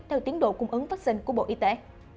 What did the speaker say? theo tiến độ cung ứng vaccine của bộ y tế